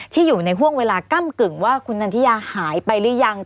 ที่อยู่ในห่วงเวลากั้มกื่อว่าคุณนันทิยาหายไปรึยัง